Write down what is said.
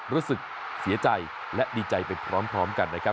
รู้สึกเสียใจและดีใจไปพร้อมกันนะครับ